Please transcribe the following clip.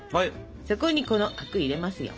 そこにこの灰汁入れますよ。